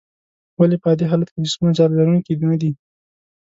ولې په عادي حالت کې جسمونه چارج لرونکي ندي؟